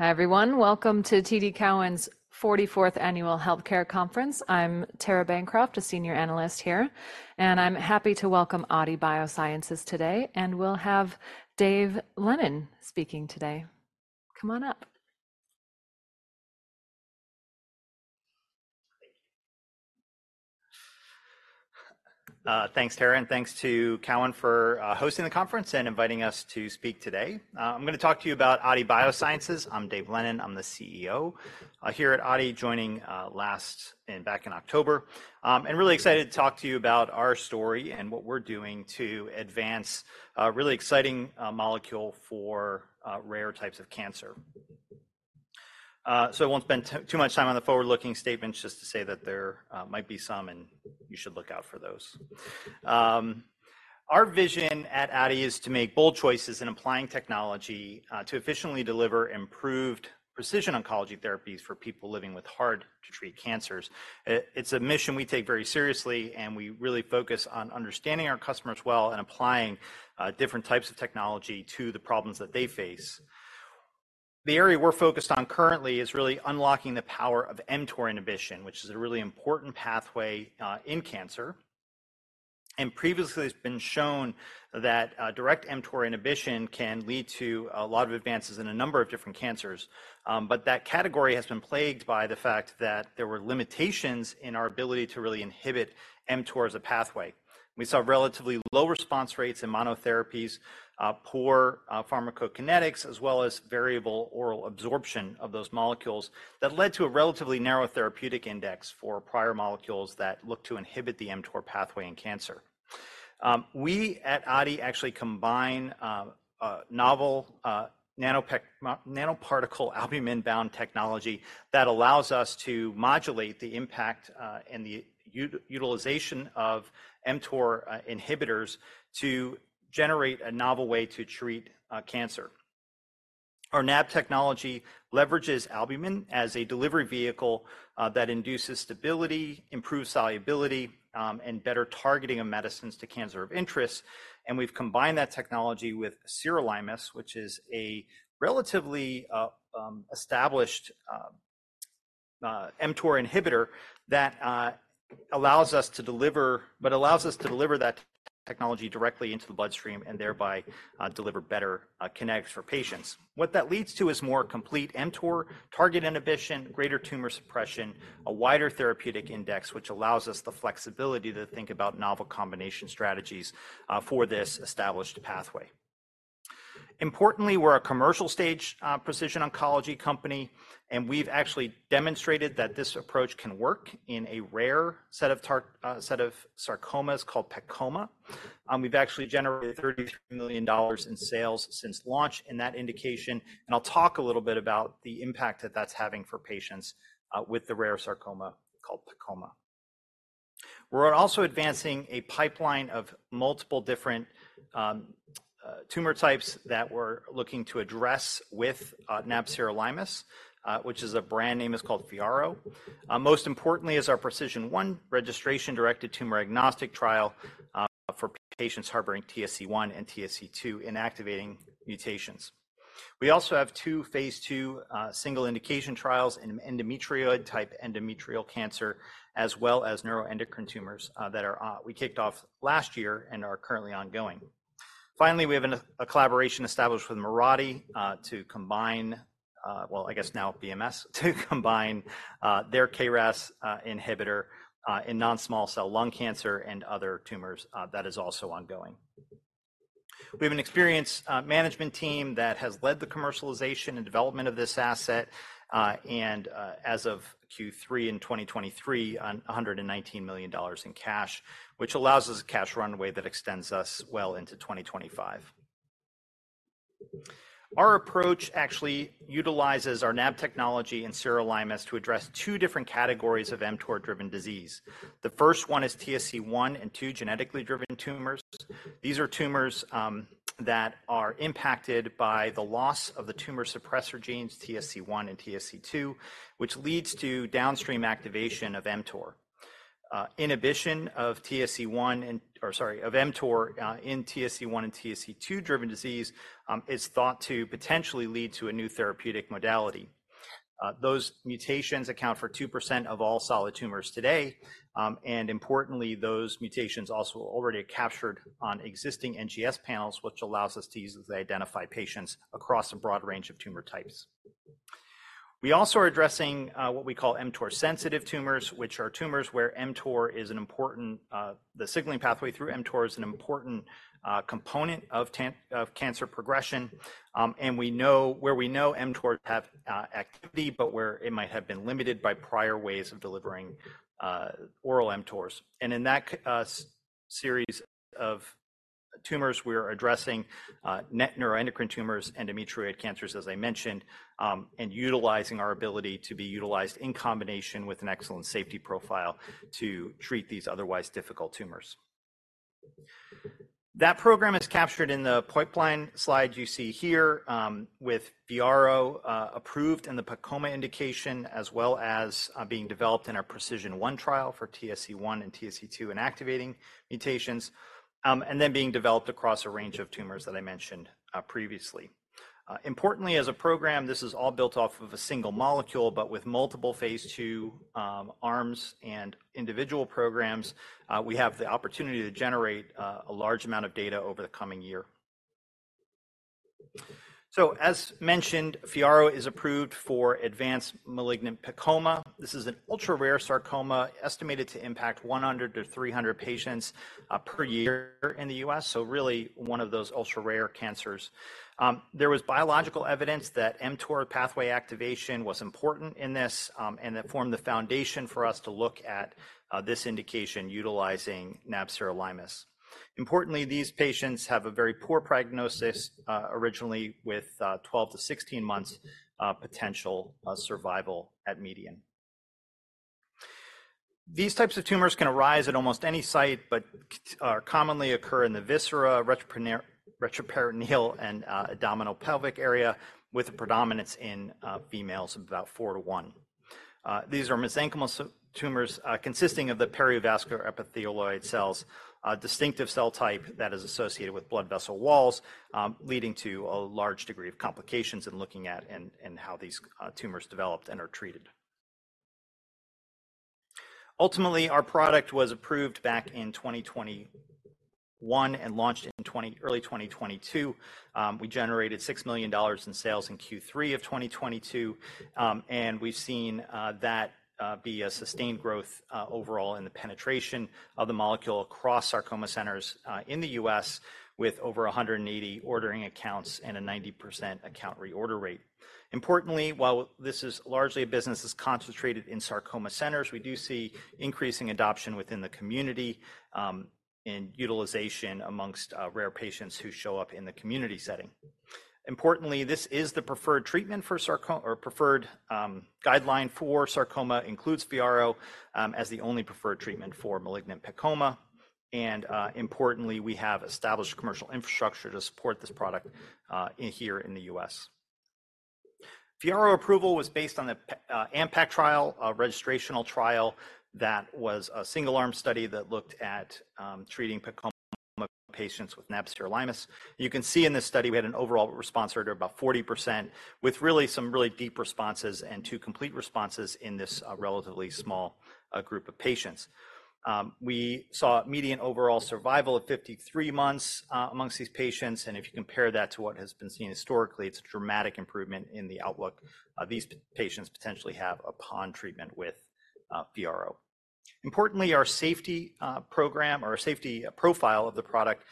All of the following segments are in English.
Hi everyone, welcome to TD Cowen's 44th annual healthcare conference. I'm Tara Bancroft, a senior analyst here, and I'm happy to welcome Aadi Bioscience today, and we'll have Dave Lennon speaking today. Come on up. Thank you. Thanks, Tara, and thanks to Cowen for hosting the conference and inviting us to speak today. I'm going to talk to you about Aadi Bioscience. I'm Dave Lennon. I'm the CEO here at Aadi, joining last October, and really excited to talk to you about our story and what we're doing to advance really exciting molecule for rare types of cancer. So I won't spend too much time on the forward-looking statements, just to say that there might be some and you should look out for those. Our vision at Aadi is to make bold choices in applying technology to efficiently deliver improved precision oncology therapies for people living with hard-to-treat cancers. It's a mission we take very seriously, and we really focus on understanding our customers well and applying different types of technology to the problems that they face. The area we're focused on currently is really unlocking the power of mTOR inhibition, which is a really important pathway in cancer. Previously it's been shown that direct mTOR inhibition can lead to a lot of advances in a number of different cancers, but that category has been plagued by the fact that there were limitations in our ability to really inhibit mTOR as a pathway. We saw relatively low response rates in monotherapies, poor pharmacokinetics, as well as variable oral absorption of those molecules that led to a relatively narrow therapeutic index for prior molecules that looked to inhibit the mTOR pathway in cancer. We at Aadi actually combine novel nanoparticle albumin-bound technology that allows us to modulate the impact and the utilization of mTOR inhibitors to generate a novel way to treat cancer. Our nab technology leverages albumin as a delivery vehicle, that induces stability, improves solubility, and better targeting of medicines to cancer of interest. And we've combined that technology with sirolimus, which is a relatively, established, mTOR inhibitor that, allows us to deliver but allows us to deliver that technology directly into the bloodstream and thereby, deliver better, kinetics for patients. What that leads to is more complete mTOR, target inhibition, greater tumor suppression, a wider therapeutic index, which allows us the flexibility to think about novel combination strategies, for this established pathway. Importantly, we're a commercial-stage, precision oncology company, and we've actually demonstrated that this approach can work in a rare subset of sarcomas called PEComa. We've actually generated $33 million in sales since launch in that indication, and I'll talk a little bit about the impact that that's having for patients, with the rare sarcoma called PEComa. We're also advancing a pipeline of multiple different tumor types that we're looking to address with nab-sirolimus, which is a brand name called FYARRO. Most importantly is our PRECISION1 registration-directed tumor agnostic trial, for patients harboring TSC1 and TSC2 inactivating mutations. We also have two phase II single indication trials in endometrioid-type endometrial cancer, as well as neuroendocrine tumors, that we kicked off last year and are currently ongoing. Finally, we have a collaboration established with Mirati, to combine, well, I guess now BMS, to combine their KRAS inhibitor in non-small cell lung cancer and other tumors, that is also ongoing. We have an experienced management team that has led the commercialization and development of this asset, and, as of Q3 in 2023, $119 million in cash, which allows us a cash runway that extends us well into 2025. Our approach actually utilizes our nab technology and sirolimus to address two different categories of mTOR-driven disease. The first one is TSC1 and TSC2 genetically driven tumors. These are tumors that are impacted by the loss of the tumor suppressor genes, TSC1 and TSC2, which leads to downstream activation of mTOR. Inhibition of TSC1 and or sorry, of mTOR, in TSC1 and TSC2 driven disease, is thought to potentially lead to a new therapeutic modality. Those mutations account for 2% of all solid tumors today, and importantly, those mutations also already are captured on existing NGS panels, which allows us to use them to identify patients across a broad range of tumor types. We also are addressing what we call mTOR-sensitive tumors, which are tumors where mTOR is an important, the signaling pathway through mTOR is an important component of the cancer progression, and we know mTORs have activity, but where it might have been limited by prior ways of delivering oral mTORs. And in that series of tumors, we are addressing neuroendocrine tumors, endometrioid cancers, as I mentioned, and utilizing our ability to be utilized in combination with an excellent safety profile to treat these otherwise difficult tumors. That program is captured in the pipeline slide you see here, with FYARRO, approved in the PEComa indication, as well as being developed in our PRECISION1 trial for TSC1/TSC2 inactivating mutations, and then being developed across a range of tumors that I mentioned previously. Importantly, as a program, this is all built off of a single molecule, but with multiple phase II arms and individual programs, we have the opportunity to generate a large amount of data over the coming year. So as mentioned, FYARRO is approved for advanced malignant PEComa. This is an ultra-rare sarcoma estimated to impact 100-300 patients per year in the U.S., so really one of those ultra-rare cancers. There was biological evidence that mTOR pathway activation was important in this, and that formed the foundation for us to look at this indication utilizing nab-sirolimus. Importantly, these patients have a very poor prognosis, originally with 12-16 months potential survival at median. These types of tumors can arise at almost any site, but are commonly occurring in the viscera, retroperitoneal, and abdominopelvic area, with a predominance in females of about four to one These are mesenchymal tumors, consisting of the perivascular epithelioid cells, distinctive cell type that is associated with blood vessel walls, leading to a large degree of complications in looking at and how these tumors developed and are treated. Ultimately, our product was approved back in 2021 and launched in early 2022. We generated $6 million in sales in Q3 of 2022, and we've seen that be a sustained growth overall in the penetration of the molecule across sarcoma centers in the U.S., with over 180 ordering accounts and a 90% account reorder rate. Importantly, while this is largely a business that's concentrated in sarcoma centers, we do see increasing adoption within the community, and utilization amongst rare patients who show up in the community setting. Importantly, this is the preferred treatment for sarcoma or preferred guideline for sarcoma includes FYARRO, as the only preferred treatment for malignant PEComa. Importantly, we have established commercial infrastructure to support this product right here in the US. FYARRO approval was based on the AMPECT trial, a registrational trial that was a single-arm study that looked at treating PEComa patients with nab-sirolimus. You can see in this study we had an overall response rate of about 40%, with some really deep responses and two complete responses in this relatively small group of patients. We saw median overall survival of 53 months amongst these patients, and if you compare that to what has been seen historically, it's a dramatic improvement in the outlook these patients potentially have upon treatment with FYARRO. Importantly, our safety program or our safety profile of the product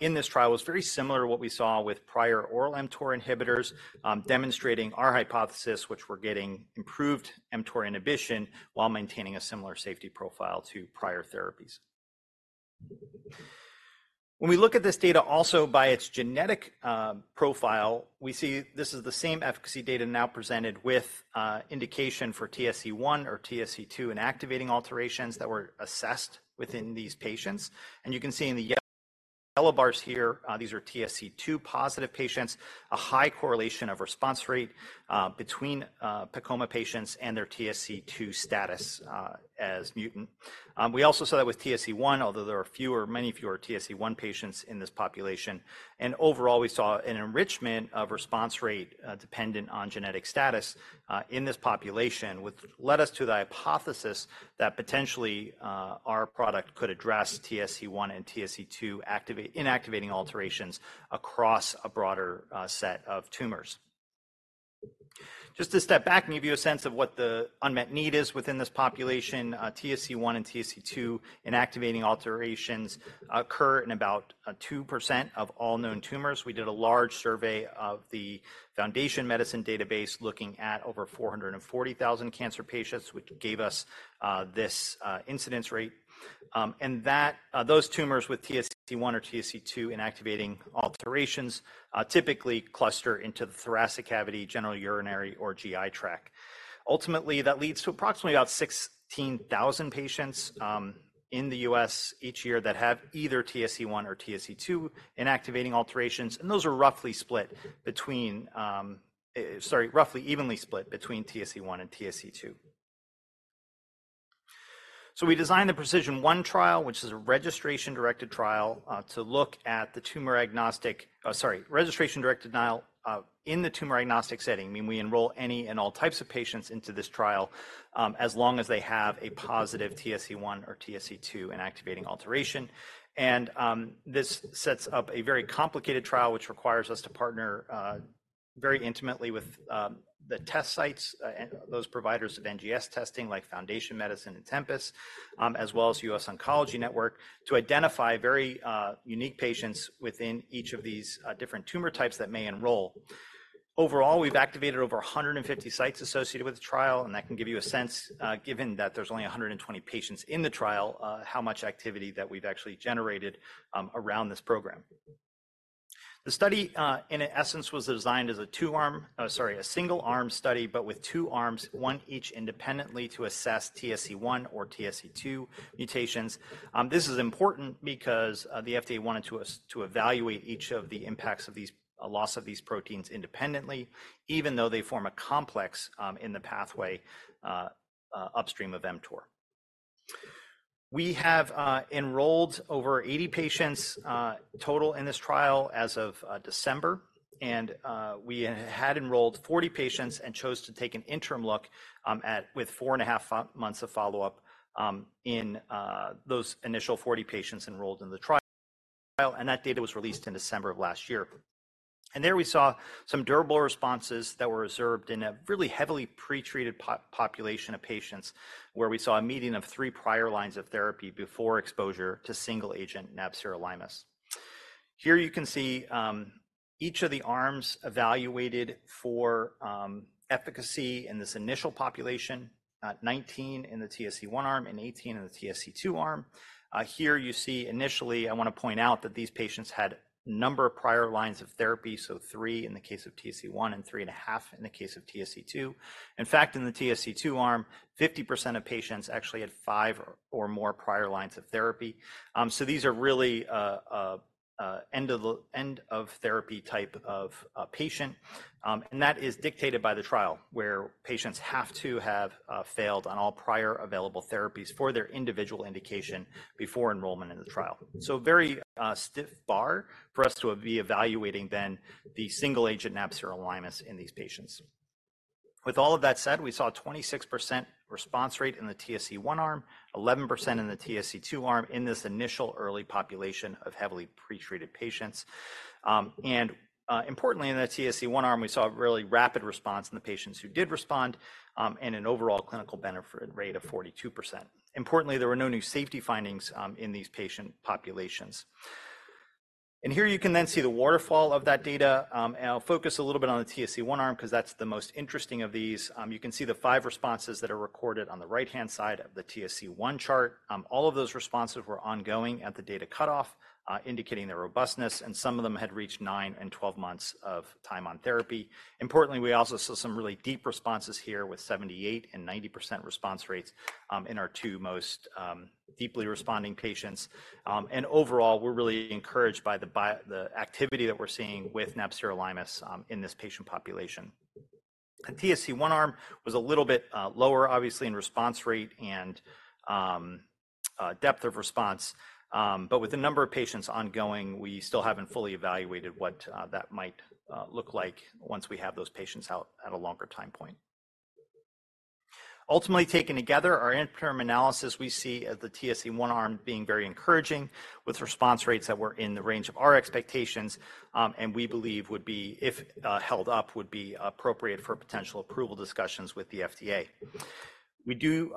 in this trial was very similar to what we saw with prior oral mTOR inhibitors, demonstrating our hypothesis which were getting improved mTOR inhibition while maintaining a similar safety profile to prior therapies. When we look at this data also by its genetic profile, we see this is the same efficacy data now presented with indication for TSC1 or TSC2 inactivating alterations that were assessed within these patients. You can see in the yellow bars here, these are TSC2 positive patients, a high correlation of response rate between PEComa patients and their TSC2 status as mutant. We also saw that with TSC1, although there are fewer, many fewer TSC1 patients in this population, and overall we saw an enrichment of response rate, dependent on genetic status, in this population, which led us to the hypothesis that potentially, our product could address TSC1 and TSC2 activate inactivating alterations across a broader, set of tumors. Just to step back and give you a sense of what the unmet need is within this population, TSC1 and TSC2 inactivating alterations occur in about 2% of all known tumors. We did a large survey of the Foundation Medicine database looking at over 440,000 cancer patients, which gave us this incidence rate. And that those tumors with TSC1 or TSC2 inactivating alterations typically cluster into the thoracic cavity, genitourinary or GI tract. Ultimately, that leads to approximately about 16,000 patients in the U.S. each year that have either TSC1 or TSC2 inactivating alterations, and those are roughly split between, sorry, roughly evenly split between TSC1 and TSC2. So we designed the PRECISION1 trial, which is a registration-directed trial, to look at the tumor agnostic oh, sorry, registration-directed trial, in the tumor agnostic setting. I mean, we enroll any and all types of patients into this trial, as long as they have a positive TSC1 or TSC2 inactivating alteration. This sets up a very complicated trial, which requires us to partner very intimately with the test sites, and those providers of NGS testing like Foundation Medicine and Tempus, as well as US Oncology Network to identify very unique patients within each of these different tumor types that may enroll. Overall, we've activated over 150 sites associated with the trial, and that can give you a sense, given that there's only 120 patients in the trial, how much activity that we've actually generated, around this program. The study, in essence, was designed as a two-arm oh, sorry, a single-arm study, but with two arms, one each independently to assess TSC1 or TSC2 mutations. This is important because, the FDA wanted to us to evaluate each of the impacts of these loss of these proteins independently, even though they form a complex, in the pathway, upstream of mTOR. We have enrolled over 80 patients total in this trial as of December, and we had enrolled 40 patients and chose to take an interim look at with 4.5 months of follow-up in those initial 40 patients enrolled in the trial, and that data was released in December of last year. There we saw some durable responses that were observed in a really heavily pretreated patient population of patients where we saw a median of three prior lines of therapy before exposure to single agent nab-sirolimus. Here you can see each of the arms evaluated for efficacy in this initial population, 19 in the TSC1 arm and 18 in the TSC2 arm. Here you see initially, I want to point out that these patients had a number of prior lines of therapy, so three in the case of TSC1 and 3.5 in the case of TSC2. In fact, in the TSC2 arm, 50% of patients actually had five or more prior lines of therapy. So these are really end of the end of therapy type of patient, and that is dictated by the trial where patients have to have failed on all prior available therapies for their individual indication before enrollment in the trial. So very stiff bar for us to be evaluating then the single agent nab-sirolimus in these patients. With all of that said, we saw a 26% response rate in the TSC1 arm, 11% in the TSC2 arm in this initial early population of heavily pretreated patients. Importantly, in the TSC1 arm, we saw a really rapid response in the patients who did respond, and an overall clinical benefit rate of 42%. Importantly, there were no new safety findings in these patient populations. Here you can then see the waterfall of that data, and I'll focus a little bit on the TSC1 arm because that's the most interesting of these. You can see the five responses that are recorded on the right-hand side of the TSC1 chart. All of those responses were ongoing at the data cutoff, indicating their robustness, and some of them had reached nine and 12 months of time on therapy. Importantly, we also saw some really deep responses here with 78% and 90% response rates in our two most deeply responding patients. Overall, we're really encouraged by the activity that we're seeing with nab-sirolimus in this patient population. The TSC1 arm was a little bit lower, obviously, in response rate and depth of response, but with a number of patients ongoing, we still haven't fully evaluated what that might look like once we have those patients out at a longer time point. Ultimately, taken together, our interim analysis, we see as the TSC1 arm being very encouraging with response rates that were in the range of our expectations, and we believe would be, if held up, would be appropriate for potential approval discussions with the FDA. We do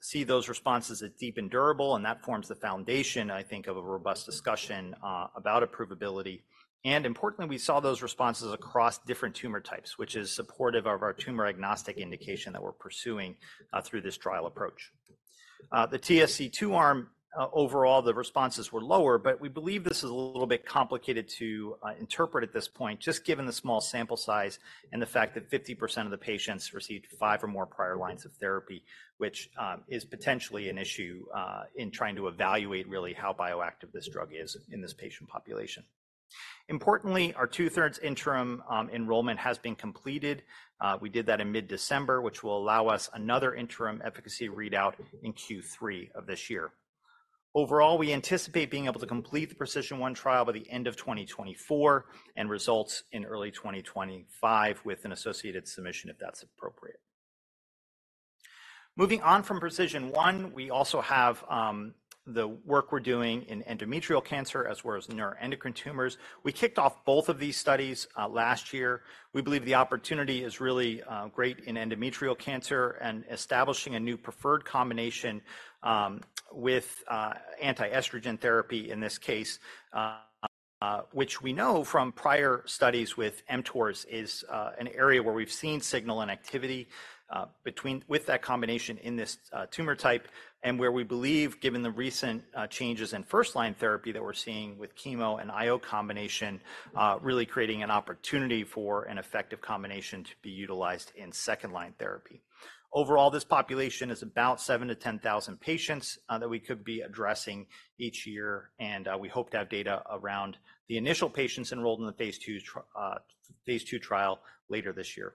see those responses as deep and durable, and that forms the foundation, I think, of a robust discussion about approvability. Importantly, we saw those responses across different tumor types, which is supportive of our tumor agnostic indication that we're pursuing through this trial approach. The TSC2 arm, overall, the responses were lower, but we believe this is a little bit complicated to interpret at this point, just given the small sample size and the fact that 50% of the patients received five or more prior lines of therapy, which is potentially an issue in trying to evaluate really how bioactive this drug is in this patient population. Importantly, our two-thirds interim enrollment has been completed. We did that in mid-December, which will allow us another interim efficacy readout in Q3 of this year. Overall, we anticipate being able to complete thePRECISION1 trial by the end of 2024 and results in early 2025 with an associated submission if that's appropriate. Moving on from PRECISION1, we also have the work we're doing in endometrial cancer as well as neuroendocrine tumors. We kicked off both of these studies last year. We believe the opportunity is really great in endometrial cancer and establishing a new preferred combination with anti-estrogen therapy in this case, which we know from prior studies with mTORs is an area where we've seen signal inactivity between with that combination in this tumor type and where we believe, given the recent changes in first-line therapy that we're seeing with chemo and IO combination, really creating an opportunity for an effective combination to be utilized in second-line therapy. Overall, this population is about 7,000-10,000 patients that we could be addressing each year, and we hope to have data around the initial patients enrolled in the phase II trial later this year.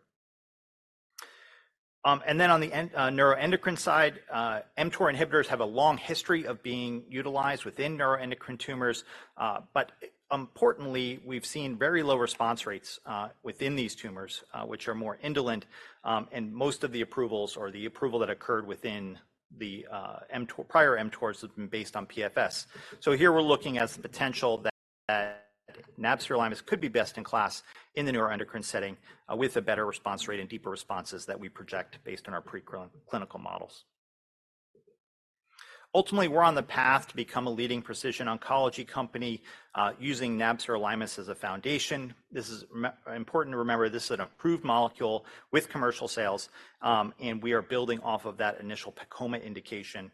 And then, on the neuroendocrine side, mTOR inhibitors have a long history of being utilized within neuroendocrine tumors, but importantly, we've seen very low response rates within these tumors, which are more indolent, and most of the approvals or the approval that occurred within the mTOR prior mTORs have been based on PFS. So here we're looking at the potential that nab-sirolimus could be best in class in the neuroendocrine setting, with a better response rate and deeper responses that we project based on our preclinical models. Ultimately, we're on the path to become a leading precision oncology company, using nab-sirolimus as a foundation. This is important to remember, this is an approved molecule with commercial sales, and we are building off of that initial PEComa indication,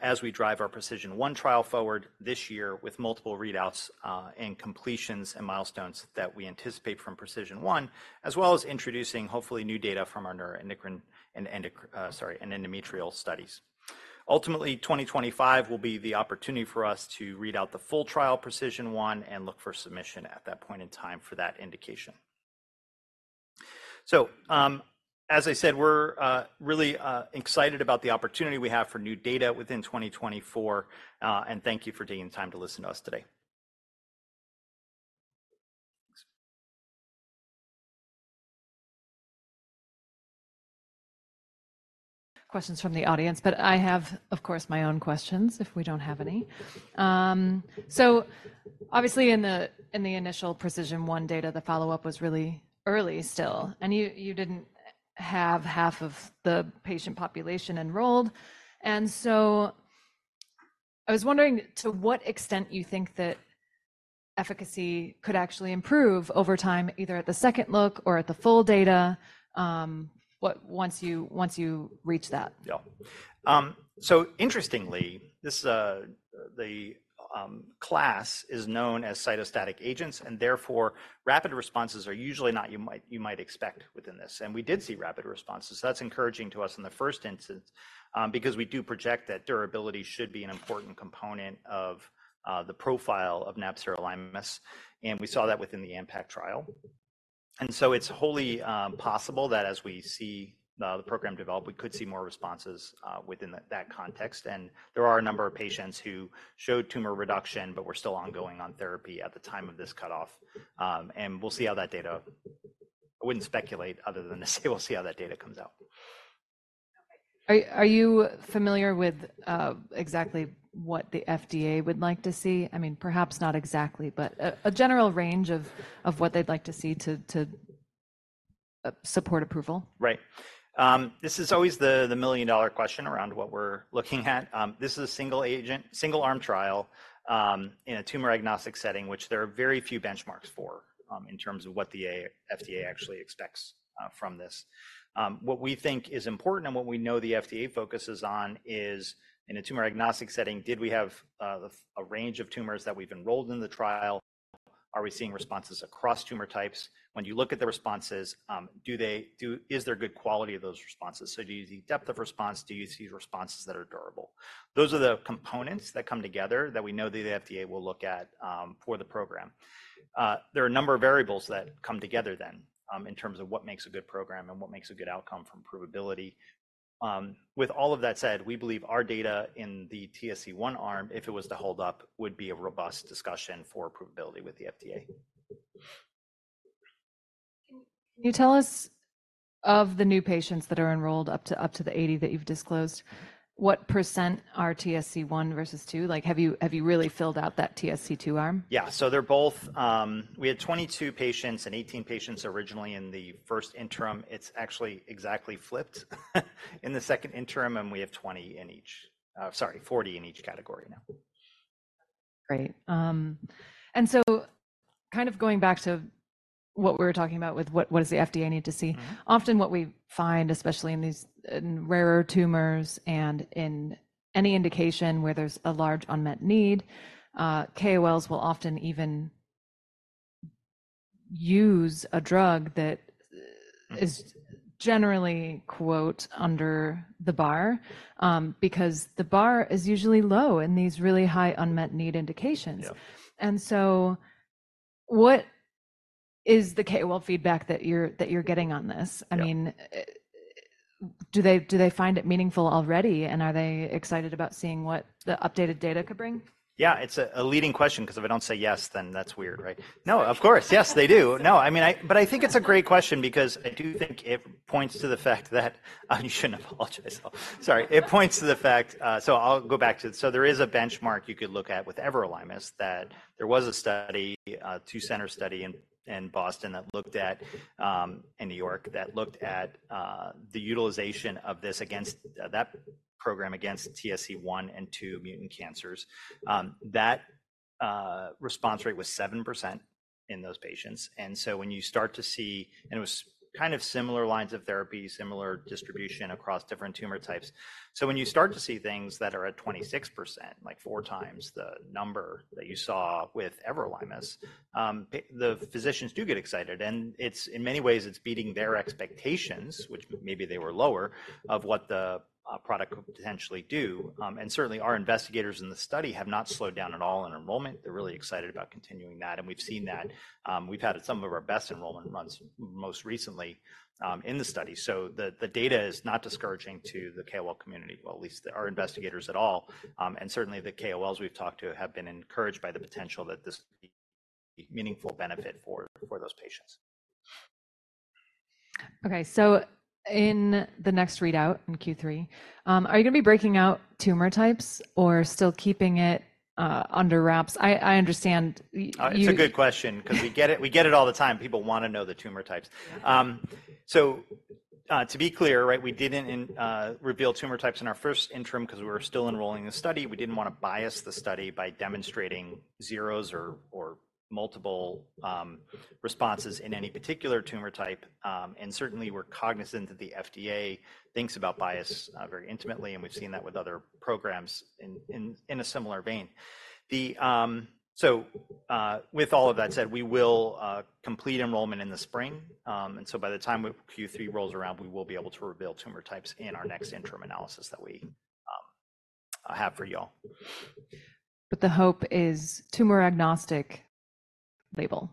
as we drive ourPRECISION1 trial forward this year with multiple readouts, and completions and milestones that we anticipate fromPRECISION1, as well as introducing, hopefully, new data from our neuroendocrine and endocrine sorry, and endometrial studies. Ultimately, 2025 will be the opportunity for us to read out the full trialPRECISION1 and look for submission at that point in time for that indication. So, as I said, we're really excited about the opportunity we have for new data within 2024, and thank you for taking time to listen to us today. Questions from the audience, but I have, of course, my own questions if we don't have any. So obviously in the initial PRECISION1 data, the follow-up was really early still, and you didn't have half of the patient population enrolled. And so I was wondering to what extent you think that efficacy could actually improve over time, either at the second look or at the full data, what once you reach that. Yeah. So interestingly, this, the, class is known as cytostatic agents, and therefore rapid responses are usually not what you might expect within this. And we did see rapid responses, so that's encouraging to us in the first instance, because we do project that durability should be an important component of, the profile of nab-sirolimus, and we saw that within the AMPECT trial. So it's wholly possible that as we see the program develop, we could see more responses within that context, and there are a number of patients who showed tumor reduction, but were still ongoing on therapy at the time of this cutoff, and we'll see how that data. I wouldn't speculate other than to say we'll see how that data comes out. Are you familiar with exactly what the FDA would like to see? I mean, perhaps not exactly, but a general range of what they'd like to see to support approval. Right. This is always the million-dollar question around what we're looking at. This is a single agent, single-arm trial, in a tumor agnostic setting, which there are very few benchmarks for, in terms of what the FDA actually expects from this. What we think is important and what we know the FDA focuses on is, in a tumor agnostic setting, did we have a range of tumors that we've enrolled in the trial? Are we seeing responses across tumor types? When you look at the responses, do they do is there good quality of those responses? So do you see depth of response? Do you see responses that are durable? Those are the components that come together that we know that the FDA will look at for the program. There are a number of variables that come together then, in terms of what makes a good program and what makes a good outcome from approvability. With all of that said, we believe our data in the TSC1 arm, if it was to hold up, would be a robust discussion for approvability with the FDA. Can you tell us, of the new patients that are enrolled up to the 80 that you've disclosed, what % are TSC1 versus TSC2? Like, have you really filled out that TSC2 arm? Yeah, so they're both, we had 22 patients and 18 patients originally in the first interim. It's actually exactly flipped in the second interim, and we have 20 in each sorry, 40 in each category now. Great. So kind of going back to what we were talking about with what does the FDA need to see? Often, what we find, especially in these rarer tumors and in any indication where there's a large unmet need, KOLs will often even use a drug that is generally, quote, "under the bar," because the bar is usually low in these really high unmet need indications. Yeah. So what is the KOL feedback that you're getting on this? I mean, do they find it meaningful already, and are they excited about seeing what the updated data could bring? Yeah, it's a leading question because if I don't say yes, then that's weird, right? No, of course, yes, they do. No, I mean, I think it's a great question because I do think it points to the fact that you shouldn't apologize. Sorry, it points to the fact so I'll go back to it. So there is a benchmark you could look at with everolimus that there was a study, a two-center study in Boston, in New York that looked at, the utilization of this against that program against TSC1 and TSC2 mutant cancers. That response rate was 7% in those patients. And so when you start to see and it was kind of similar lines of therapy, similar distribution across different tumor types. So when you start to see things that are at 26%, like four times the number that you saw with everolimus, the physicians do get excited, and it's in many ways, it's beating their expectations, which maybe they were lower, of what the product could potentially do. And certainly, our investigators in the study have not slowed down at all in enrollment. They're really excited about continuing that, and we've seen that. We've had some of our best enrollment runs most recently in the study, so the data is not discouraging to the KOL community, well, at least our investigators at all. And certainly, the KOLs we've talked to have been encouraged by the potential that this could be meaningful benefit for those patients. Okay, so in the next readout in Q3, are you going to be breaking out tumor types or still keeping it under wraps? I understand you. That's a good question because we get it we get it all the time. People want to know the tumor types. So, to be clear, right, we didn't reveal tumor types in our first interim because we were still enrolling in the study. We didn't want to bias the study by demonstrating zeros or multiple responses in any particular tumor type. And certainly, we're cognizant that the FDA thinks about bias, very intimately, and we've seen that with other programs in a similar vein. So, with all of that said, we will complete enrollment in the spring. And so by the time Q3 rolls around, we will be able to reveal tumor types in our next interim analysis that we have for y'all. But the hope is tumor agnostic label.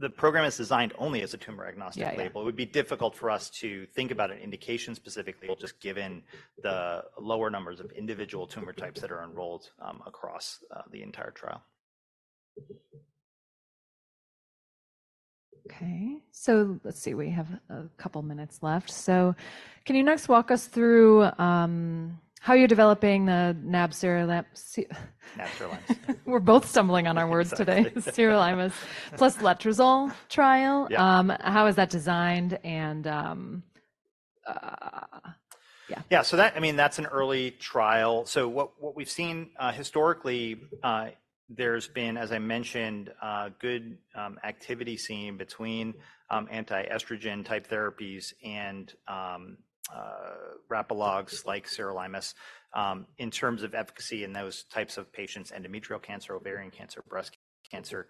The program is designed only as a tumor agnostic label. It would be difficult for us to think about an indication specifically just given the lower numbers of individual tumor types that are enrolled across the entire trial. Okay, so let's see. We have a couple minutes left. So can you next walk us through how you're developing the nab-sirolimus? Nab-sirolimus. We're both stumbling on our words today. Sirolimus plus letrozole trial. How is that designed and, yeah. Yeah, so that I mean, that's an early trial. So what we've seen, historically, there's been, as I mentioned, good activity seen between anti-estrogen type therapies and rapalogs like sirolimus, in terms of efficacy in those types of patients, endometrial cancer, ovarian cancer, breast cancer.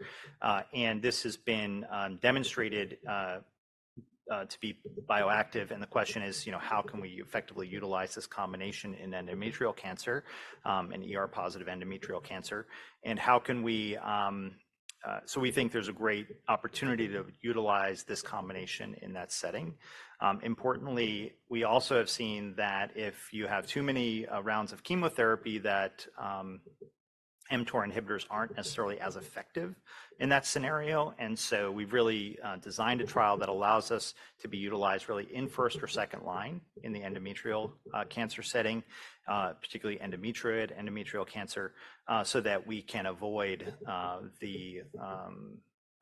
And this has been demonstrated to be bioactive. And the question is, you know, how can we effectively utilize this combination in endometrial cancer, in ER-positive endometrial cancer? And how can we, so we think there's a great opportunity to utilize this combination in that setting. Importantly, we also have seen that if you have too many rounds of chemotherapy, mTOR inhibitors aren't necessarily as effective in that scenario. And so we've really designed a trial that allows us to be utilized really in first or second line in the endometrial cancer setting, particularly endometrioid endometrial cancer, so that we can avoid the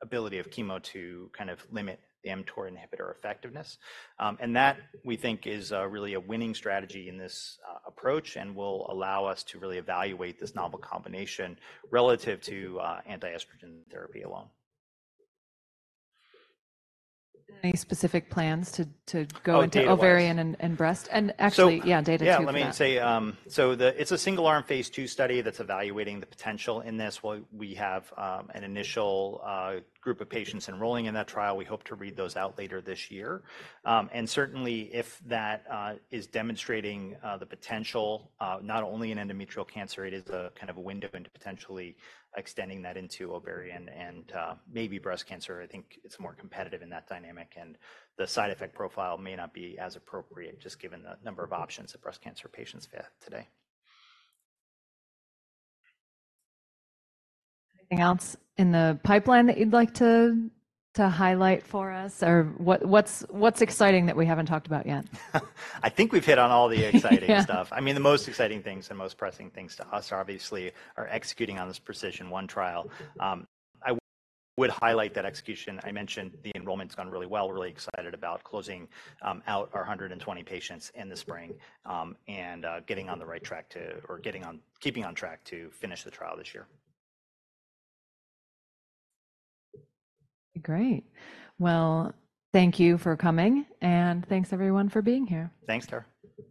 ability of chemo to kind of limit the mTOR inhibitor effectiveness. And that we think is really a winning strategy in this approach and will allow us to really evaluate this novel combination relative to anti-estrogen therapy alone. Any specific plans to go into ovarian and breast? And actually, yeah, data too. Yeah, let me say, so it's a single-arm phase II study that's evaluating the potential in this. Well, we have an initial group of patients enrolling in that trial. We hope to read those out later this year. And certainly, if that is demonstrating the potential, not only in endometrial cancer, it is a kind of a window into potentially extending that into ovarian and, maybe, breast cancer. I think it's more competitive in that dynamic, and the side effect profile may not be as appropriate just given the number of options that breast cancer patients have today. Anything else in the pipeline that you'd like to highlight for us, or what's exciting that we haven't talked about yet? I think we've hit on all the exciting stuff. I mean, the most exciting things and most pressing things to us, obviously, are executing on this PRECISION1 trial. I would highlight that execution.I mentioned the enrollment's gone really well, really excited about closing out our 120 patients in the spring, and getting on keeping on track to finish the trial this year. Great. Well, thank you for coming, and thanks, everyone, for being here. Thanks, Tara.